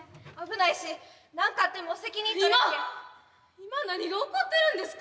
今何が起こってるんですか？